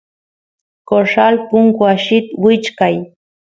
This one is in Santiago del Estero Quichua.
corral punku allit wichkay